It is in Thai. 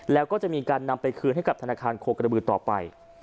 แล้วก็จะมีการนำไปคืนให้กับธนาคารโคกระบือต่อไป